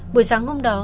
buổi sáng hôm đó